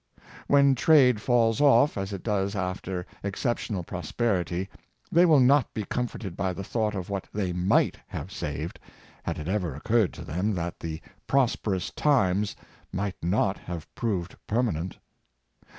When trade falls off, as it does after exceptional prosperity, they will not be comforted by the thought of what they might have saved, had it ever occurred to them that the " pVosperous times " might not have proved permanent.